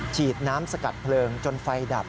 ฉีดน้ำสกัดเพลิงจนไฟดับ